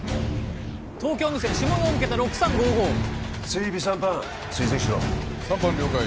東京無線下４桁６３−５５追尾３班追跡しろ・３班了解